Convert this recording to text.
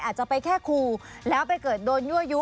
อาจจะไปแค่ครูแล้วไปเกิดโดนยั่วยุ